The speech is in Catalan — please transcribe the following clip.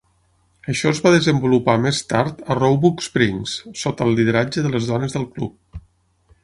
Això es va desenvolupar més tard a Roebuck Springs sota el lideratge de les dones del club.